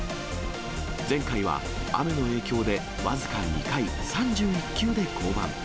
前回は雨の影響で僅か２回３１球で降板。